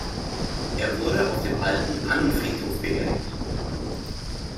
Er wurde auf dem Alten Annenfriedhof beerdigt.